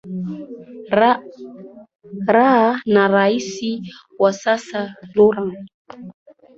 ra na rais wa sasa laurent